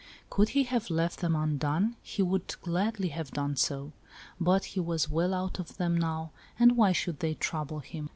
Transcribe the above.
Could he have left them undone, he would gladly have done so; but he was well out of them now, and why should they trouble him